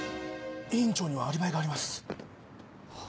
院長にはアリバイがあります。